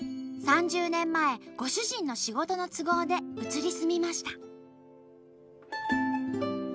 ３０年前ご主人の仕事の都合で移り住みました。